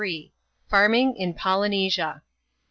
Farming in Polynesia.